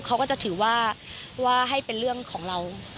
เขาก็จะถือว่าให้เป็นเรื่องของเรา